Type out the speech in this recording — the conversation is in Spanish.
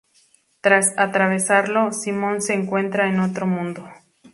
Tras atravesarlo, Simon se encuentra en otro mundo.